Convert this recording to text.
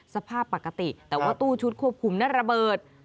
สภาพปกติแต่ว่าตู้ชุดควบคุมนั้นระเบิด